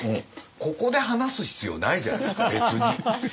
ここで話す必要ないじゃないですか別に。